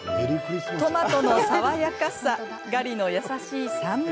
トマトの爽やかさガリの優しい酸味